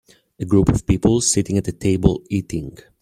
A group of people sitting at a table eating.